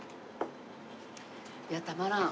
いやたまらん。